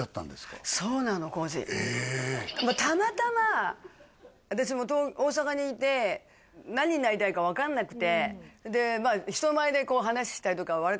たまたま私も大阪にいて何になりたいか分かんなくてでまあ人前で話したりとか笑